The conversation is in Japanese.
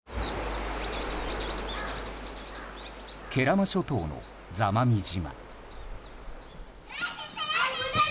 慶良間諸島の座間味島。